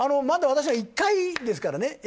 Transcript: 私は１回ですからね。